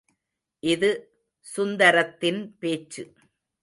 இது சுந்தரத்தின் பேச்சு.